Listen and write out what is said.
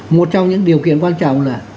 một trong những điều kiện quan trọng là